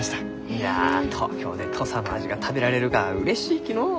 いや東京で土佐の味が食べられるがはうれしいきのう。